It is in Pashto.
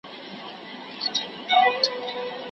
زه تر بل هر چا وفادار یم.